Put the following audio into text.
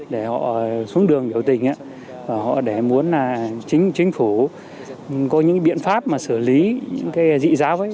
để họ xuống đường biểu tình họ để muốn chính chính phủ có những biện pháp mà xử lý những cái dị giáo ấy